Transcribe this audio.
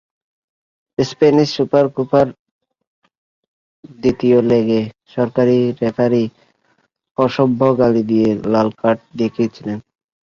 Spanish super কোপার দ্বিতীয় লেগে সহকারী রেফারিকে অশ্রাব্য গালি দিয়ে লাল কার্ড দেখেছিলেন।